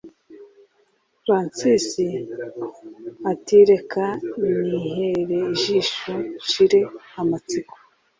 Francis atireka nihere ijisho nshire amatsiko